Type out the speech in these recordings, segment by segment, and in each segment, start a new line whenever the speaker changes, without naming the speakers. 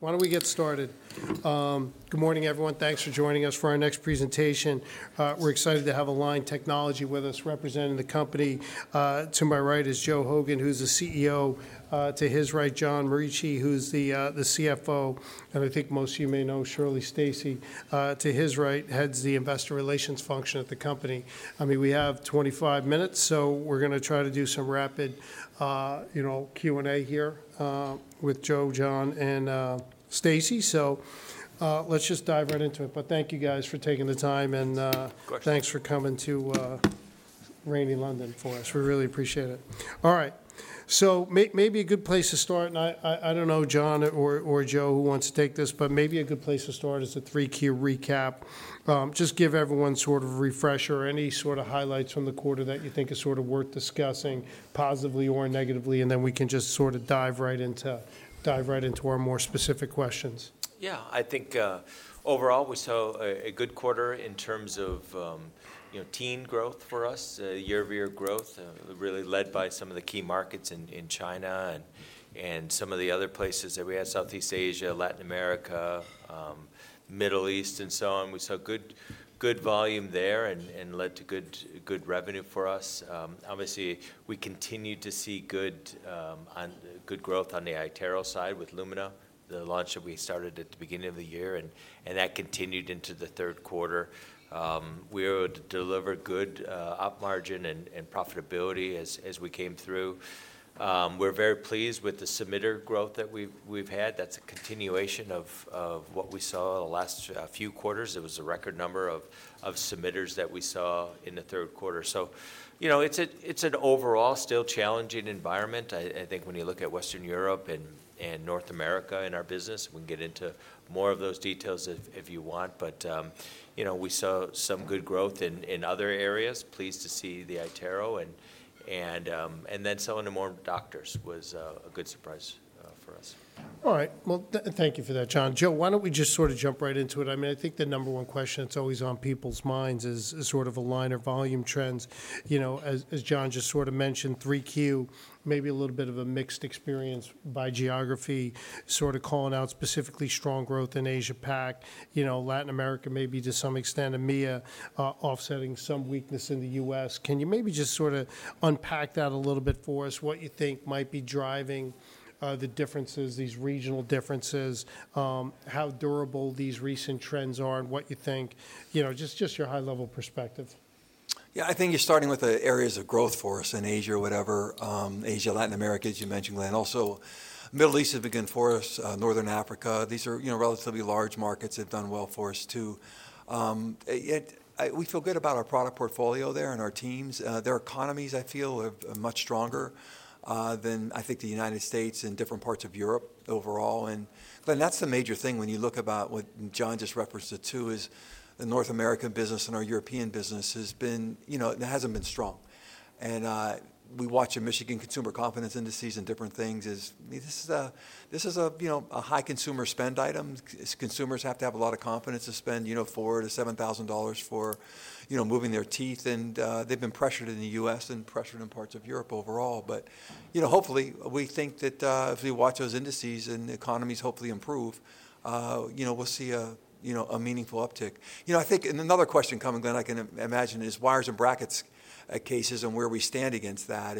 Why don't we get started? Good morning, everyone. Thanks for joining us for our next presentation. We're excited to have Align Technology with us, representing the company. To my right is Joe Hogan, who's the CEO. To his right, John Morici, who's the CFO, and I think most of you may know Shirley Stacy, to his right, heads the investor relations function at the company. I mean, we have 25 minutes, so we're going to try to do some rapid Q&A here with Joe, John, and Stacy, so let's just dive right into it, but thank you, guys, for taking the time. And thanks for coming to rainy London for us. We really appreciate it. All right, so maybe a good place to start, and I don't know, John or Joe, who wants to take this, but maybe a good place to start is a three-key recap. Just give everyone sort of a refresher, any sort of highlights from the quarter that you think is sort of worth discussing, positively or negatively, and then we can just sort of dive right into our more specific questions.
Yeah. I think overall, we saw a good quarter in terms of teen growth for us, year-over-year growth, really led by some of the key markets in China and some of the other places that we had: Southeast Asia, Latin America, Middle East, and so on. We saw good volume there and led to good revenue for us. Obviously, we continue to see good growth on the iTero side with Lumina, the launch that we started at the beginning of the year, and that continued into the third quarter. We were able to deliver good gross margin and profitability as we came through. We're very pleased with the submission growth that we've had. That's a continuation of what we saw the last few quarters. It was a record number of submissions that we saw in the third quarter. So it's an overall still challenging environment. I think when you look at Western Europe and North America in our business, we can get into more of those details if you want. But we saw some good growth in other areas. Pleased to see the iTero. And then selling to more doctors was a good surprise for us.
All right. Well, thank you for that, John. Joe, why don't we just sort of jump right into it? I mean, I think the number one question that's always on people's minds is sort of Align's volume trends. As John just sort of mentioned, 3Q, maybe a little bit of a mixed experience by geography, sort of calling out specifically strong growth in Asia-Pac, Latin America, maybe to some extent EMEA, offsetting some weakness in the U.S. Can you maybe just sort of unpack that a little bit for us, what you think might be driving the differences, these regional differences, how durable these recent trends are, and what you think, just your high-level perspective?
Yeah. I think you're starting with the areas of growth for us in Asia, whatever, Asia, Latin America, as you mentioned, Glenn. Also, Middle East has begun for us, Northern Africa. These are relatively large markets that have done well for us, too. We feel good about our product portfolio there and our teams. Their economies, I feel, are much stronger than, I think, the United States and different parts of Europe overall. And that's the major thing when you look about what John just referenced to, is the North American business and our European business has been, it hasn't been strong. And we watched the Michigan consumer confidence indices and different things. This is a high consumer spend item. Consumers have to have a lot of confidence to spend $4,000-$7,000 for moving their teeth. They've been pressured in the U.S. and pressured in parts of Europe overall. Hopefully, we think that if we watch those indices and the economies hopefully improve, we'll see a meaningful uptick. Another question coming, Glenn, I can imagine, is wires and brackets cases and where we stand against that.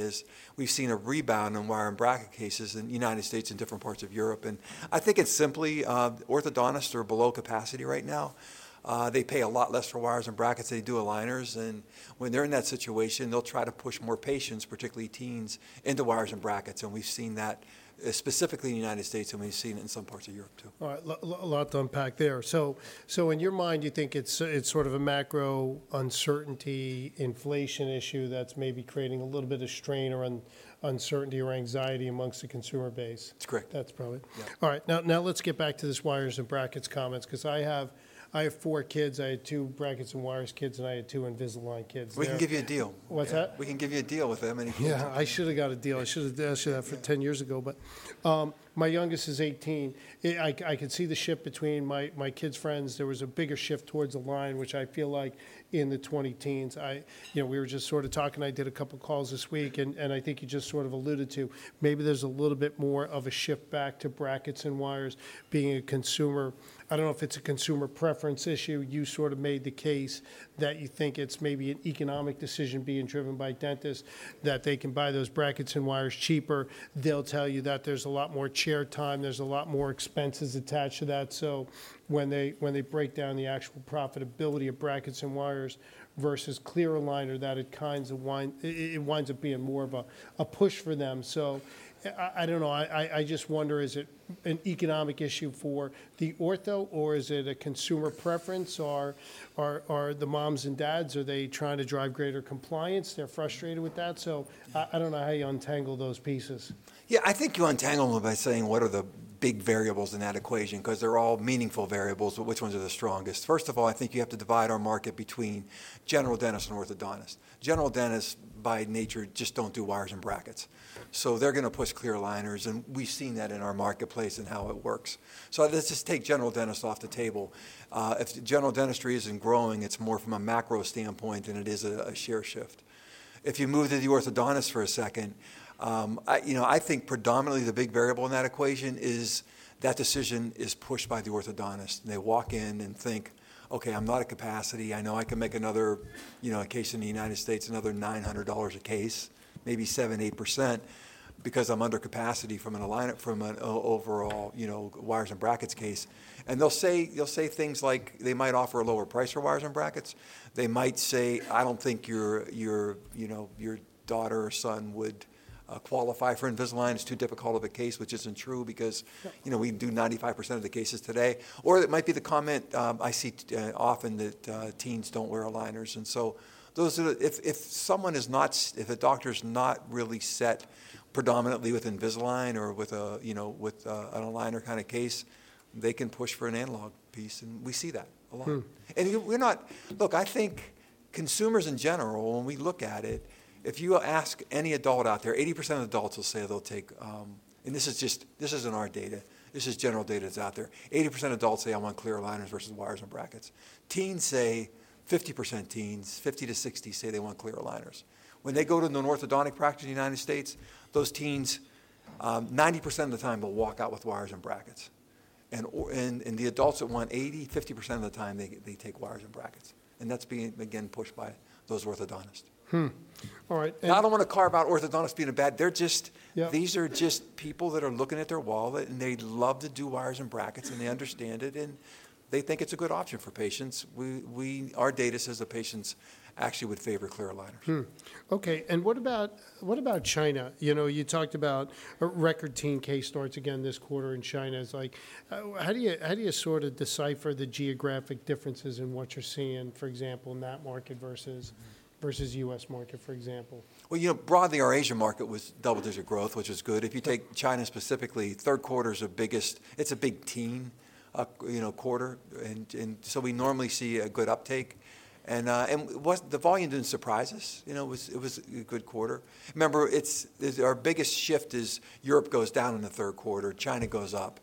We've seen a rebound in wire and bracket cases in the United States and different parts of Europe. I think it's simply orthodontists are below capacity right now. They pay a lot less for wires and brackets. They do aligners. When they're in that situation, they'll try to push more patients, particularly teens, into wires and brackets. We've seen that specifically in the United States, and we've seen it in some parts of Europe, too.
All right. A lot to unpack there. So in your mind, you think it's sort of a macro uncertainty, inflation issue that's maybe creating a little bit of strain or uncertainty or anxiety amongst the consumer base?
That's correct.
That's probably. All right. Now let's get back to this wires and brackets comments, because I have four kids. I had two brackets and wires kids, and I had two Invisalign kids.
We can give you a deal.
What's that?
We can give you a deal with that many kids.
Yeah. I should have got a deal. I should have asked for that 10 years ago. But my youngest is 18. I could see the shift between my kids' friends. There was a bigger shift towards Align, which I feel like in the 20 teens. We were just sort of talking. I did a couple of calls this week. And I think you just sort of alluded to maybe there's a little bit more of a shift back to brackets and wires being a consumer. I don't know if it's a consumer preference issue. You sort of made the case that you think it's maybe an economic decision being driven by dentists, that they can buy those brackets and wires cheaper. They'll tell you that there's a lot more chair time. There's a lot more expenses attached to that. So when they break down the actual profitability of brackets and wires versus clear aligner, that it winds up being more of a push for them. So I don't know. I just wonder, is it an economic issue for the ortho or is it a consumer preference? Are the moms and dads, are they trying to drive greater compliance? They're frustrated with that. So I don't know how you untangle those pieces.
Yeah. I think you untangle them by saying what are the big variables in that equation, because they're all meaningful variables, but which ones are the strongest? First of all, I think you have to divide our market between general dentists and orthodontists. General dentists, by nature, just don't do wires and brackets, so they're going to push clear aligners. And we've seen that in our marketplace and how it works, so let's just take general dentists off the table. If general dentistry isn't growing, it's more from a macro standpoint than it is a share shift. If you move to the orthodontist for a second, I think predominantly the big variable in that equation is that decision is pushed by the orthodontist, and they walk in and think, "Okay, I'm not at capacity. I know I can make another case in the United States, another $900 a case, maybe 7%-8%, because I'm under capacity from an overall wires and brackets case." And they'll say things like they might offer a lower price for wires and brackets. They might say, "I don't think your daughter or son would qualify for Invisalign. It's too difficult of a case," which isn't true because we do 95% of the cases today. Or it might be the comment I see often that teens don't wear aligners. And so if someone is not, if a doctor is not really set predominantly with Invisalign or with an aligner kind of case, they can push for an analog piece. And we see that a lot. And look, I think consumers in general, when we look at it, if you ask any adult out there, 80% of adults will say they'll take, and this isn't our data. This is general data that's out there. 80% of adults say, "I want clear aligners versus wires and brackets." Teens say, 50% teens, 50%-60% say they want clear aligners. When they go to an orthodontic practice in the United States, those teens, 90% of the time, will walk out with wires and brackets. And the adults that want 80%, 50% of the time, they take wires and brackets. And that's being, again, pushed by those orthodontists.
All right.
I don't want to carve out orthodontists being bad. These are just people that are looking at their wallet, and they love to do wires and brackets, and they understand it, and they think it's a good option for patients. Our data says the patients actually would favor clear aligners.
Okay. And what about China? You talked about record teen case starts again this quarter in China. How do you sort of decipher the geographic differences in what you're seeing, for example, in that market versus the U.S. market, for example?
Broadly, our Asia market was double-digit growth, which is good. If you take China specifically, third quarter is our biggest. It's a big teen quarter, and so we normally see a good uptake. And the volume didn't surprise us. It was a good quarter. Remember, our biggest shift is Europe goes down in the third quarter, China goes up.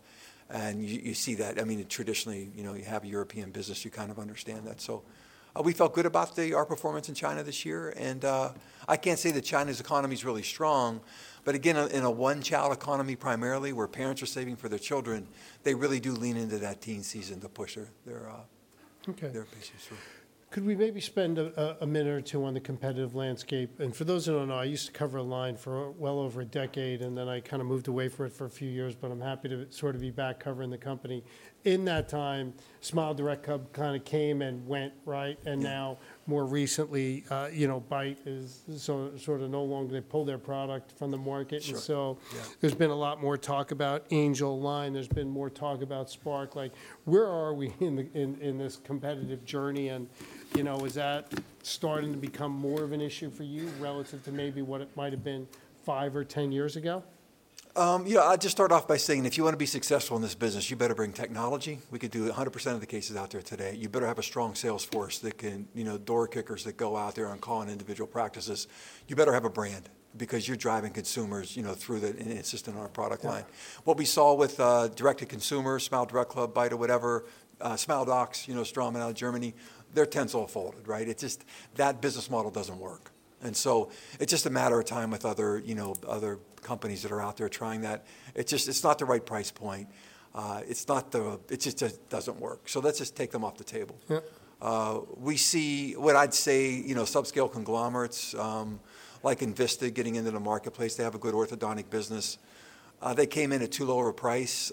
And you see that. I mean, traditionally, you have European business. You kind of understand that. So we felt good about our performance in China this year. And I can't say that China's economy is really strong. But again, in a one-child economy primarily, where parents are saving for their children, they really do lean into that teen season to push their patients.
Could we maybe spend a minute or two on the competitive landscape? And for those who don't know, I used to cover Align for well over a decade, and then I kind of moved away from it for a few years. But I'm happy to sort of be back covering the company. In that time, SmileDirectClub kind of came and went, right? And now, more recently, Byte is sort of no longer going to pull their product from the market. And so there's been a lot more talk about Angelalign. There's been more talk about Spark. Where are we in this competitive journey? And is that starting to become more of an issue for you relative to maybe what it might have been five or ten years ago?
I'll just start off by saying if you want to be successful in this business, you better bring technology. We could do 100% of the cases out there today. You better have a strong sales force that can door kickers that go out there and call on individual practices. You better have a brand because you're driving consumers through the insistence on our product line. What we saw with direct-to-consumer, SmileDirectClub, Byte, or whatever, SmileDocs, Straumann out of Germany, their tents all folded, right? That business model doesn't work, and so it's just a matter of time with other companies that are out there trying that. It's not the right price point. It just doesn't work. So let's just take them off the table. We see what I'd say subscale conglomerates like Envista getting into the marketplace. They have a good orthodontic business. They came in at too low of a price.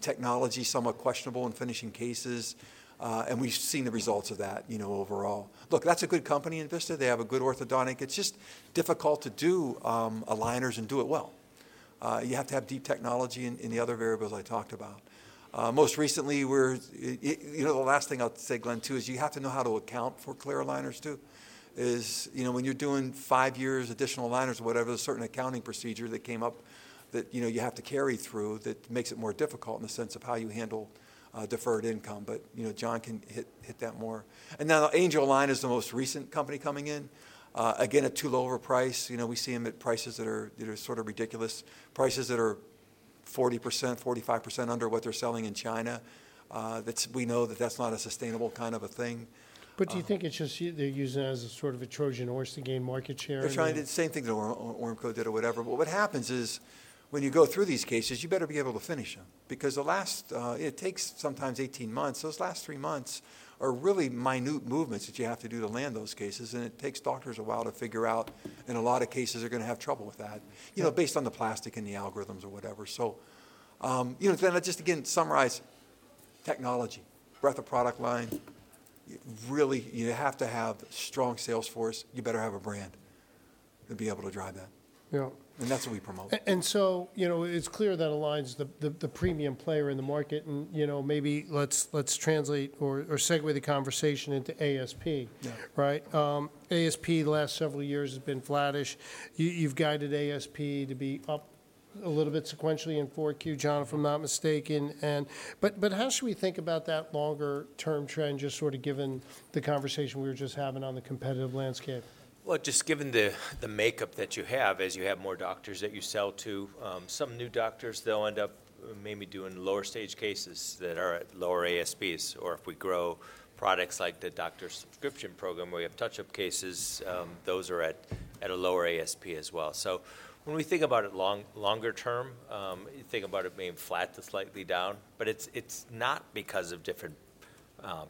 Technology is somewhat questionable in finishing cases. And we've seen the results of that overall. Look, that's a good company, Envista. They have a good orthodontic. It's just difficult to do aligners and do it well. You have to have deep technology in the other variables I talked about. Most recently, the last thing I'll say, Glenn, too, is you have to know how to account for clear aligners, too, is when you're doing five years additional aligners or whatever, there's a certain accounting procedure that came up that you have to carry through that makes it more difficult in the sense of how you handle deferred income. But John can hit that more. And now Angelalign is the most recent company coming in. Again, at too low of a price. We see them at prices that are sort of ridiculous, prices that are 40%-45% under what they're selling in China. We know that that's not a sustainable kind of a thing.
But do you think it's just they're using it as a sort of a Trojan horse to gain market share?
They're trying to do the same thing that Ormco did or whatever, but what happens is when you go through these cases, you better be able to finish them. Because it takes sometimes 18 months. Those last three months are really minute movements that you have to do to land those cases, and it takes doctors a while to figure out. And a lot of cases are going to have trouble with that based on the plastic and the algorithms or whatever, so then I'll just, again, summarize technology, breadth of product line. Really, you have to have a strong sales force. You better have a brand to be able to drive that, and that's what we promote.
And so it's clear that Align is the premium player in the market. And maybe let's translate or segue the conversation into ASP, right? ASP the last several years has been flattish. You've guided ASP to be up a little bit sequentially in 4Q, John, if I'm not mistaken. But how should we think about that longer-term trend, just sort of given the conversation we were just having on the competitive landscape?
Well, just given the makeup that you have, as you have more doctors that you sell to, some new doctors, they'll end up maybe doing lower-stage cases that are at lower ASPs. Or if we grow products like the doctor's subscription program where we have touch-up cases, those are at a lower ASP as well. So when we think about it longer term, you think about it being flat to slightly down. But it's not because of different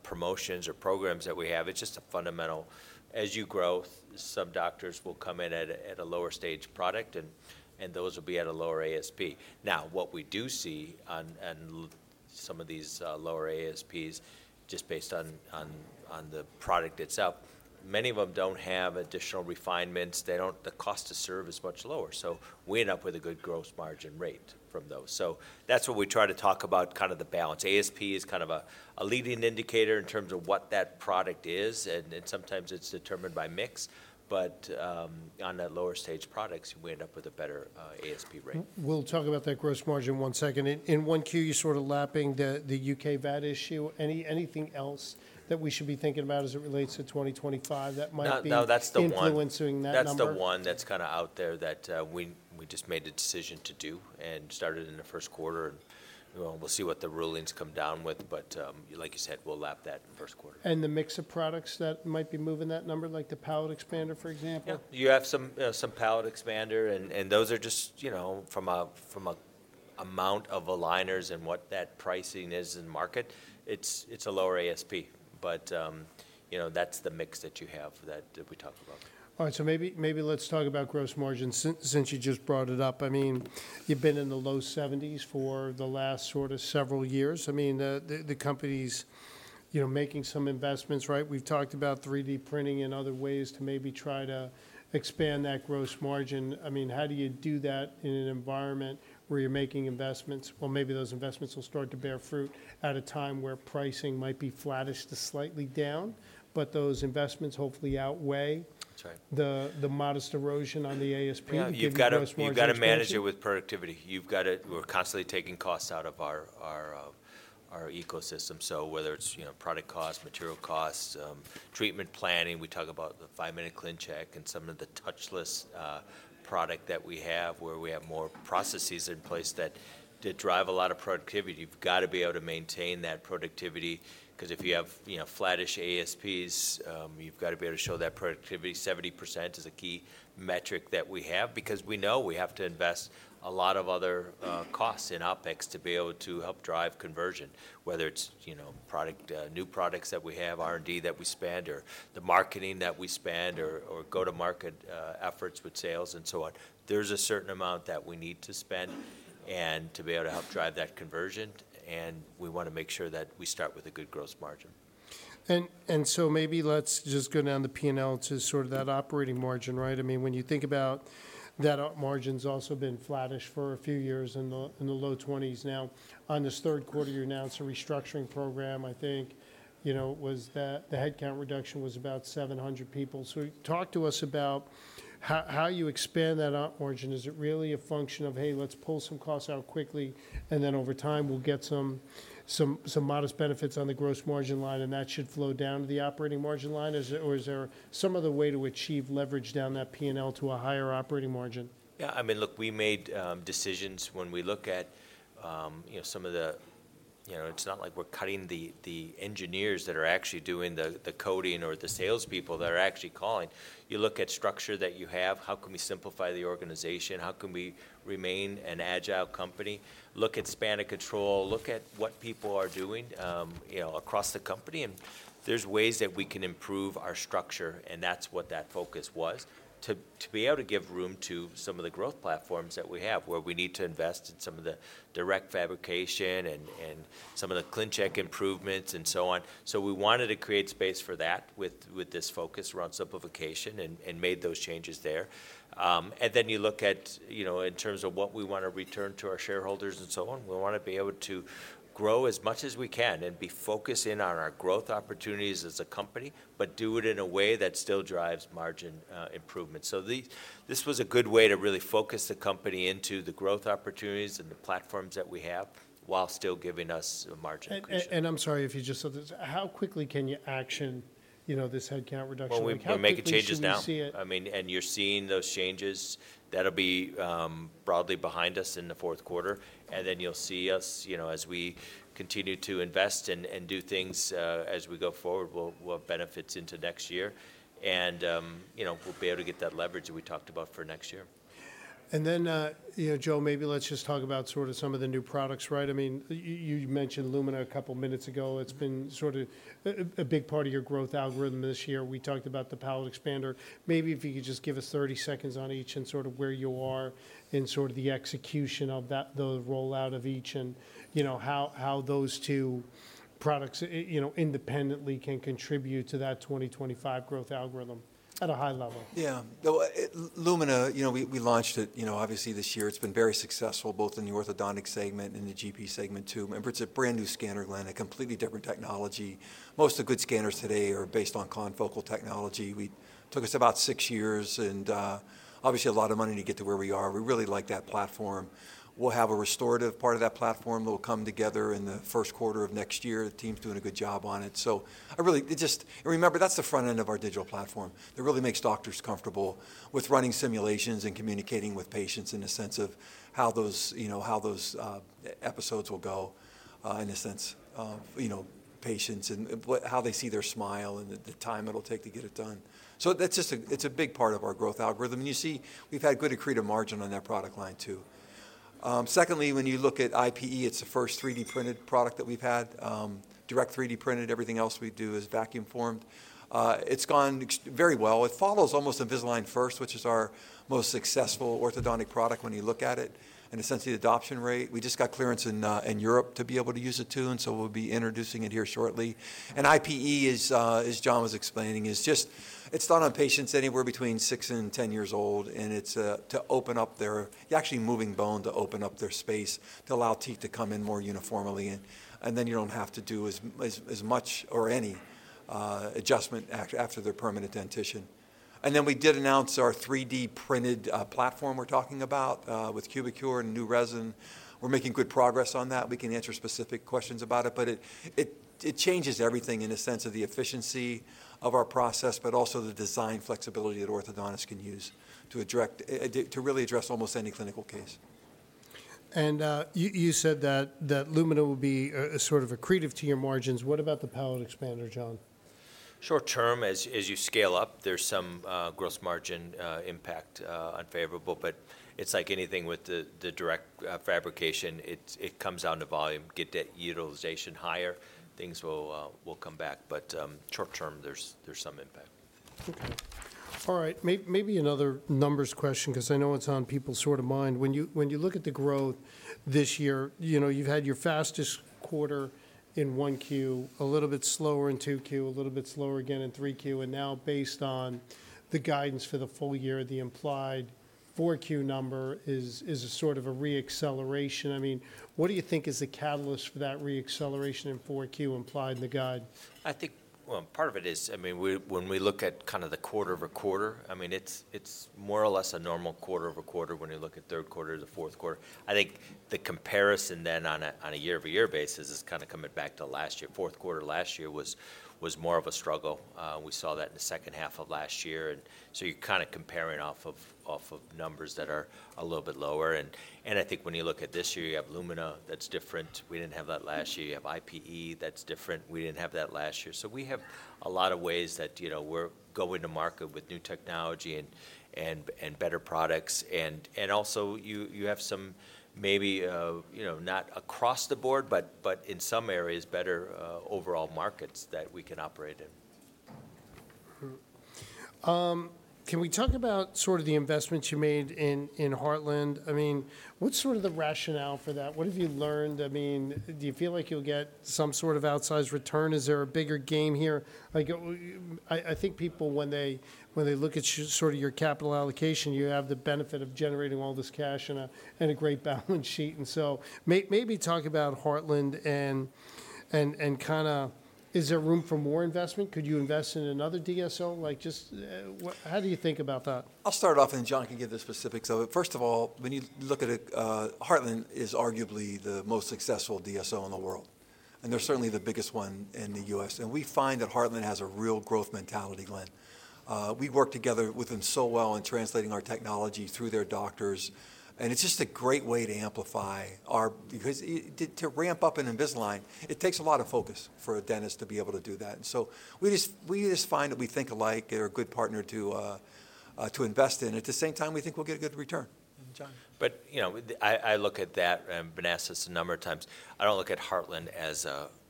promotions or programs that we have. It's just a fundamental. As you grow, some doctors will come in at a lower-stage product, and those will be at a lower ASP. Now, what we do see on some of these lower ASPs, just based on the product itself, many of them don't have additional refinements. The cost to serve is much lower. So we end up with a good gross margin rate from those. So that's what we try to talk about, kind of the balance. ASP is kind of a leading indicator in terms of what that product is. And sometimes it's determined by mix. But on that lower-stage products, we end up with a better ASP rate.
We'll talk about that gross margin one second. In 1Q, you're sort of lapping the U.K. VAT issue. Anything else that we should be thinking about as it relates to 2025 that might be influencing that number?
No, no. That's the one that's kind of out there that we just made a decision to do and started in the first quarter, and we'll see what the rulings come down with, but like you said, we'll lap that in the first quarter.
The mix of products that might be moving that number, like the palate expander, for example?
Yeah. You have some palate expander. And those are just from an amount of aligners and what that pricing is in the market. It's a lower ASP. But that's the mix that you have that we talk about.
All right, so maybe let's talk about gross margins since you just brought it up. I mean, you've been in the low 70s for the last sort of several years. I mean, the company's making some investments, right? We've talked about 3D printing and other ways to maybe try to expand that gross margin. I mean, how do you do that in an environment where you're making investments? Well, maybe those investments will start to bear fruit at a time where pricing might be flattish to slightly down, but those investments hopefully outweigh the modest erosion on the ASP.
You've got to manage it with productivity. We're constantly taking costs out of our ecosystem, so whether it's product costs, material costs, treatment planning, we talk about the five-minute ClinCheck and some of the touchless product that we have where we have more processes in place that drive a lot of productivity. You've got to be able to maintain that productivity. Because if you have flattish ASPs, you've got to be able to show that productivity. 70% is a key metric that we have. Because we know we have to invest a lot of other costs in OpEx to be able to help drive conversion, whether it's new products that we have, R&D that we spend, or the marketing that we spend, or go-to-market efforts with sales and so on. There's a certain amount that we need to spend and to be able to help drive that conversion. We want to make sure that we start with a good gross margin.
And so maybe let's just go down the P&L to sort of that operating margin, right? I mean, when you think about that margin's also been flattish for a few years in the low 20s now. On this third quarter, you announced a restructuring program, I think. The headcount reduction was about 700 people. So talk to us about how you expand that margin. Is it really a function of, "Hey, let's pull some costs out quickly, and then over time, we'll get some modest benefits on the gross margin line," and that should flow down to the operating margin line? Or is there some other way to achieve leverage down that P&L to a higher operating margin?
Yeah. I mean, look, we made decisions when we look at some of the. It's not like we're cutting the engineers that are actually doing the coding or the salespeople that are actually calling. You look at structure that you have. How can we simplify the organization? How can we remain an agile company? Look at span of control. Look at what people are doing across the company, and there's ways that we can improve our structure. And that's what that focus was, to be able to give room to some of the growth platforms that we have where we need to invest in some of the direct fabrication and some of the ClinCheck improvements and so on, so we wanted to create space for that with this focus around simplification and made those changes there. And then you look at in terms of what we want to return to our shareholders and so on, we want to be able to grow as much as we can and be focused in on our growth opportunities as a company, but do it in a way that still drives margin improvement. So this was a good way to really focus the company into the growth opportunities and the platforms that we have while still giving us margin increases.
I'm sorry if you just said this. How quickly can you action this headcount reduction?
Well, we're making changes now. I mean, and you're seeing those changes. That'll be broadly behind us in the fourth quarter. And then you'll see us, as we continue to invest and do things as we go forward, we'll have benefits into next year. And we'll be able to get that leverage that we talked about for next year.
And then, Joe, maybe let's just talk about sort of some of the new products, right? I mean, you mentioned Lumina a couple of minutes ago. It's been sort of a big part of your growth algorithm this year. We talked about the palate expander. Maybe if you could just give us 30 seconds on each and sort of where you are in sort of the execution of that, the rollout of each, and how those two products independently can contribute to that 2025 growth algorithm at a high level.
Yeah. Lumina, we launched it, obviously, this year. It's been very successful, both in the orthodontic segment and the GP segment, too. It's a brand new scanner, Glenn, a completely different technology. Most of the good scanners today are based on confocal technology. It took us about six years and obviously a lot of money to get to where we are. We really like that platform. We'll have a restorative part of that platform that will come together in the first quarter of next year. The team's doing a good job on it. So remember, that's the front end of our digital platform. It really makes doctors comfortable with running simulations and communicating with patients in the sense of how those episodes will go in the sense of patients and how they see their smile and the time it'll take to get it done. It's a big part of our growth algorithm. And you see we've had good accretive margin on that product line, too. Secondly, when you look at IPE, it's the first 3D printed product that we've had, direct 3D printed. Everything else we do is vacuum formed. It's gone very well. It follows almost Invisalign First, which is our most successful orthodontic product when you look at it, and essentially adoption rate. We just got clearance in Europe to be able to use it, too. And so we'll be introducing it here shortly. And IPE, as John was explaining, it's thought on patients anywhere between six and 10 years old. And it's to open up their actually moving bone to open up their space to allow teeth to come in more uniformly. And then you don't have to do as much or any adjustment after their permanent dentition. And then we did announce our 3D printed platform we're talking about with Cubicure and new resin. We're making good progress on that. We can answer specific questions about it. But it changes everything in the sense of the efficiency of our process, but also the design flexibility that orthodontists can use to really address almost any clinical case.
You said that Lumina will be sort of accretive to your margins. What about the palate expander, John?
Short term, as you scale up, there's some gross margin impact unfavorable. But it's like anything with the direct fabrication. It comes down to volume. Get that utilization higher, things will come back. But short term, there's some impact.
Okay. All right. Maybe another numbers question because I know it's on people's sort of mind. When you look at the growth this year, you've had your fastest quarter in 1Q, a little bit slower in 2Q, a little bit slower again in 3Q. And now, based on the guidance for the full year, the implied 4Q number is sort of a reacceleration. I mean, what do you think is the catalyst for that reacceleration in 4Q implied in the guide?
I think part of it is. I mean, when we look at kind of the quarter over quarter, I mean, it's more or less a normal quarter over quarter when you look at third quarter to fourth quarter. I think the comparison then on a year-over-year basis is kind of coming back to last year. Fourth quarter last year was more of a struggle. We saw that in the second half of last year. And so you're kind of comparing off of numbers that are a little bit lower. And I think when you look at this year, you have Lumina that's different. We didn't have that last year. You have IPE that's different. We didn't have that last year. So we have a lot of ways that we're going to market with new technology and better products. And also, you have some maybe not across the board, but in some areas, better overall markets that we can operate in.
Can we talk about sort of the investments you made in Heartland? I mean, what's sort of the rationale for that? What have you learned? I mean, do you feel like you'll get some sort of outsized return? Is there a bigger game here? I think people, when they look at sort of your capital allocation, you have the benefit of generating all this cash and a great balance sheet. And so maybe talk about Heartland and kind of is there room for more investment? Could you invest in another DSO? Just how do you think about that?
I'll start off, and John can give the specifics of it. First of all, when you look at it, Heartland is arguably the most successful DSO in the world. And they're certainly the biggest one in the U.S. And we find that Heartland has a real growth mentality, Glenn. We work together with them so well in translating our technology through their doctors. And it's just a great way to amplify our because to ramp up an Invisalign, it takes a lot of focus for a dentist to be able to do that. And so we just find that we think alike, they're a good partner to invest in. At the same time, we think we'll get a good return.
And John?
But I look at that, and I've been asked this a number of times. I don't look at Heartland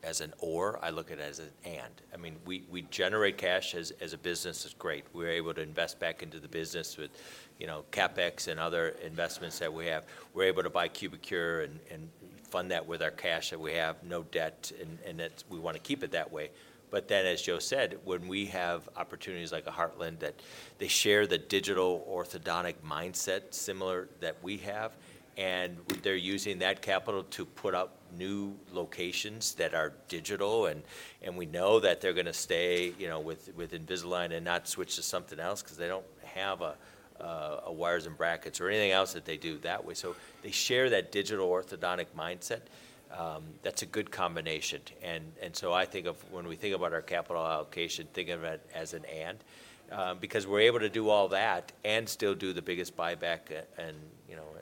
as an or. I look at it as an and. I mean, we generate cash as a business. It's great. We're able to invest back into the business with CapEx and other investments that we have. We're able to buy Cubicure and fund that with our cash that we have, no debt. And we want to keep it that way. But then, as Joe said, when we have opportunities like a Heartland that they share the digital orthodontic mindset similar that we have, and they're using that capital to put up new locations that are digital. And we know that they're going to stay with Invisalign and not switch to something else because they don't have a wires and brackets or anything else that they do that way. So they share that digital orthodontic mindset. That's a good combination. And so I think of when we think about our capital allocation, think of it as an and. Because we're able to do all that and still do the biggest buyback in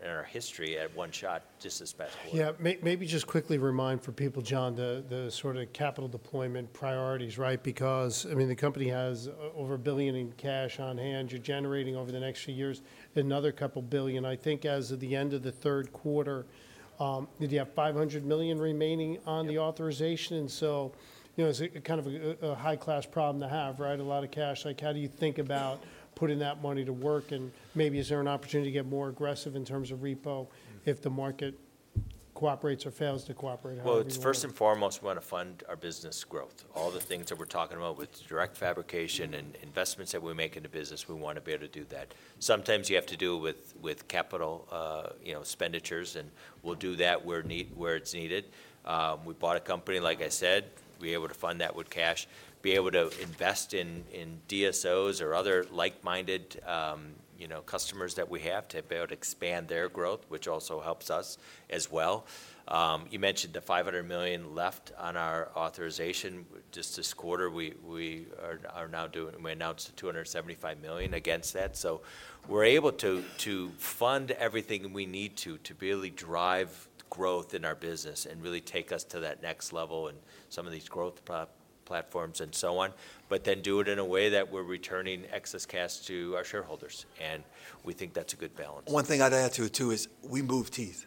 our history at one shot, just as fast as we can.
Yeah. Maybe just quickly remind for people, John, the sort of capital deployment priorities, right? Because, I mean, the company has over $1 billion in cash on hand. You're generating over the next few years another couple $1 billion. I think as of the end of the third quarter, did you have $500 million remaining on the authorization? And so it's kind of a high-class problem to have, right? A lot of cash. How do you think about putting that money to work? And maybe is there an opportunity to get more aggressive in terms of repo if the market cooperates or fails to cooperate?
First and foremost, we want to fund our business growth. All the things that we're talking about with direct fabrication and investments that we make in the business, we want to be able to do that. Sometimes you have to do it with capital expenditures, and we'll do that where it's needed. We bought a company, like I said, be able to fund that with cash, be able to invest in DSOs or other like-minded customers that we have to be able to expand their growth, which also helps us as well. You mentioned the $500 million left on our authorization. Just this quarter, we announced the $275 million against that. So we're able to fund everything we need to really drive growth in our business and really take us to that next level and some of these growth platforms and so on, but then do it in a way that we're returning excess cash to our shareholders. And we think that's a good balance.
One thing I'd add to it, too, is we move teeth.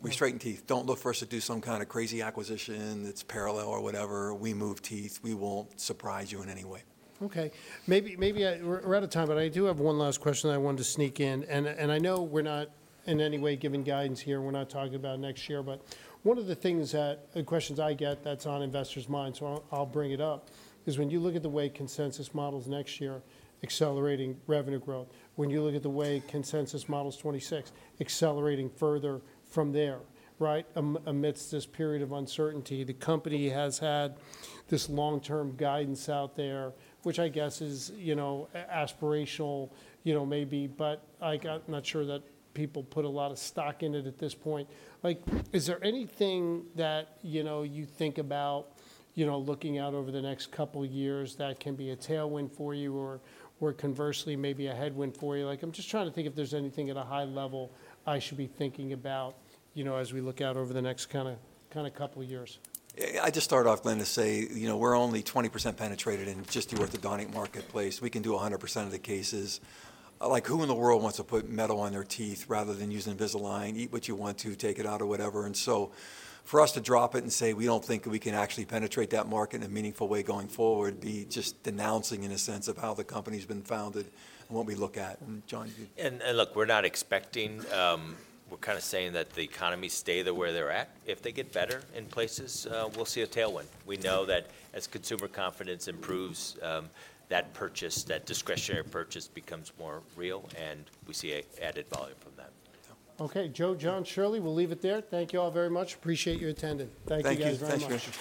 We straighten teeth. Don't look for us to do some kind of crazy acquisition that's parallel or whatever. We move teeth. We won't surprise you in any way.
Okay. Maybe we're out of time, but I do have one last question I wanted to sneak in. I know we're not in any way giving guidance here. We're not talking about next year. One of the things that questions I get that's on investors' minds, so I'll bring it up, is when you look at the way consensus models next year accelerating revenue growth, when you look at the way consensus models 2026 accelerating further from there, right? Amidst this period of uncertainty, the company has had this long-term guidance out there, which I guess is aspirational maybe, but I'm not sure that people put a lot of stock in it at this point. Is there anything that you think about looking out over the next couple of years that can be a tailwind for you or conversely maybe a headwind for you? I'm just trying to think if there's anything at a high level I should be thinking about as we look out over the next kind of couple of years.
I just start off, Glenn, to say we're only 20% penetrated in just the orthodontic marketplace. We can do 100% of the cases. Who in the world wants to put metal on their teeth rather than use Invisalign? Eat what you want to, take it out or whatever. And so for us to drop it and say we don't think we can actually penetrate that market in a meaningful way going forward would be just denying in a sense of how the company's been founded and what we look at. And John, you.
Look, we're not expecting. We're kind of saying that the economy stay where they're at. If they get better in places, we'll see a tailwind. We know that as consumer confidence improves, that discretionary purchase becomes more real, and we see added volume from that.
Okay. Joe, John, Shirley, we'll leave it there. Thank you all very much. Appreciate your attendance. Thank you guys very much.
Thank you.